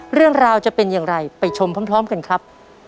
เรื่องราวจะเป็นอย่างไรไปชมพร้อมกันครับ